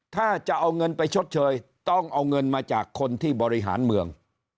ถ้าจะเอาเงินไปชดเชยต้องเอาเงินมาจากคนที่บริหารเมือง